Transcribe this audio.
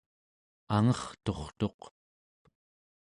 angerturtuq